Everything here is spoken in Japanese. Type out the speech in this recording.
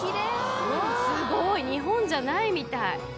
すごい！日本じゃないみたい。